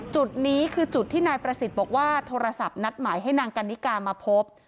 จุดนี้คือจุดที่นายประสิทธิ์บอกว่าโทรศัพท์นัดหมายให้นางกันนิกามาพบ